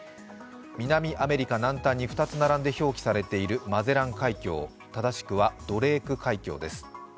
南アメリカ南端に２つ並んで表記されているマゼラン海峡、正しくはドレーク海峡です。